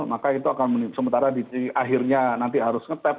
maka itu akan sementara di akhirnya nanti harus nge tap